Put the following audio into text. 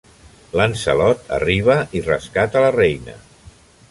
Lancelot arriba i rescata la reina.